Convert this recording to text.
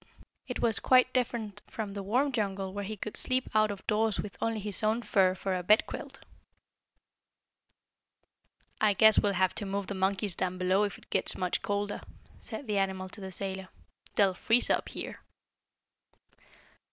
It was quite different from the warm jungle where he could sleep out of doors with only his own fur for a bedquilt. "I guess we'll have to move the monkeys down below, if it gets much colder," said the animal man to the sailor. "They'll freeze up here."